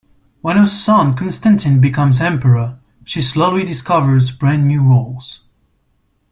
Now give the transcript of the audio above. When her son Constantine becomes Emperor, she slowly discovers brand-new roles.